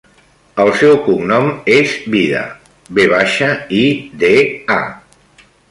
El seu cognom és Vida: ve baixa, i, de, a.